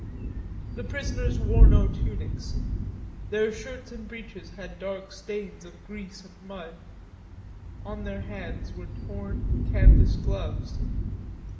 The prisoners wore no tunics; their shirts and breeches had dark stains of grease and dirt; on their hands were torn canvas gloves.